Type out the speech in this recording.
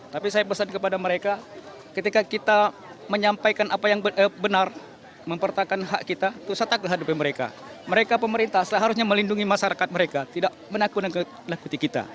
tapi saya pesan kepada mereka ketika kita menyampaikan apa yang benar mempertahankan hak kita itu setaku hadapi mereka mereka pemerintah seharusnya melindungi masyarakat mereka tidak menakutin kita